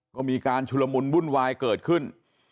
ก็มีการชุลมุนวุ่นวายเกิดขึ้น